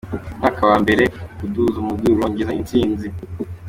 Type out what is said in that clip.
Umwaka wa mbere: kuduza umugwi urondera intsinzi.